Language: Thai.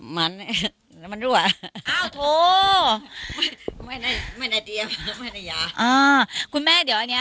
มันแล้วมันรั่วอ้าวโถไม่ได้ไม่ได้เตรียมไม่ได้ยาอ่าคุณแม่เดี๋ยวอันเนี้ย